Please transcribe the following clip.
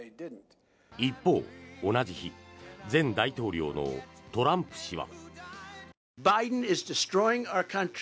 一方、同じ日前大統領のトランプ氏は。